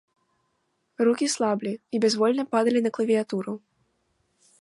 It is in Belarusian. Рукі слаблі і бязвольна падалі на клавіятуру.